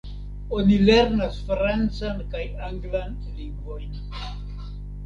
Oni lernas francan kaj anglan lingvojn.